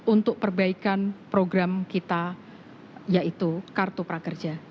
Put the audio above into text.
untuk perbaikan program kita yaitu kartu prakerja